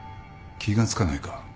気が付かないか？